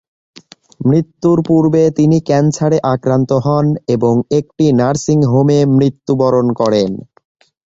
মৃত্যুর পূর্বে তিনি ক্যান্সারে আক্রান্ত হন এবং একটি নার্সিং হোমে মৃত্যুবরণ করেন।